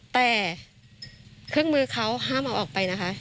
แต่เครื่องมือเขาห้ามเอาออกไปนะคะ